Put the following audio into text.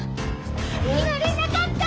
今連絡あった！